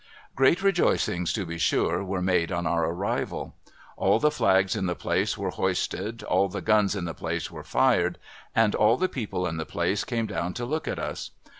(ireat rejoicings, to be sure, were made on our arrival. All the flags in the place were hoisted, all the guns in the place were fired, and all the people in the place came down to look at us.